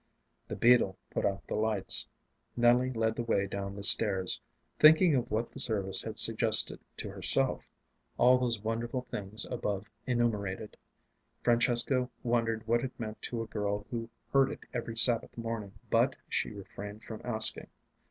The Beadle put out the lights. Nelly led the way down the stairs. Thinking of what the service had suggested to herself all those wonderful things above enumerated Francesca wondered what it meant to a girl who heard it every Sabbath morning. But she refrained from asking.